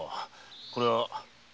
これは。